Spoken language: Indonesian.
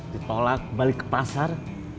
ditolak balik ke pasar